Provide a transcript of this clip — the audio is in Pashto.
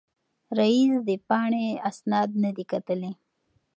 رییس د پاڼې اسناد نه دي کتلي.